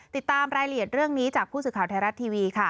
ติดตามรายละเอียดเรื่องนี้จากผู้สื่อข่าวไทยรัฐทีวีค่ะ